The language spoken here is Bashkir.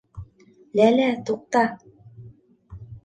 Ләлә, туҡта...